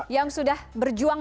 yang sudah berjuang